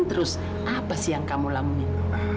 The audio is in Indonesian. terus apa sih yang kamu lamungin